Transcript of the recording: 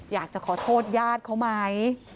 อยากจะขอโทษญาติเขาไหม